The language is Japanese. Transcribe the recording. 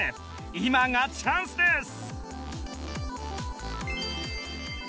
今がチャンスです！